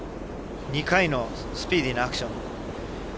２回のスピーディーなアクション。